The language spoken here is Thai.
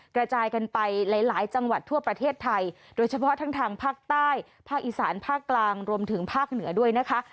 กระจายกันไปหลายจังหวัดทั่วประเทศไทยโดยเฉพาะทั้งทางภาคใต้ภาคอีสานภาคกลางรวมถึงภาคเหนือด้วยนะคะ